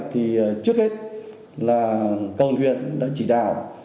thì trước hết là cầu huyện đã chỉ đạo